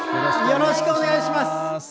よろしくお願いします。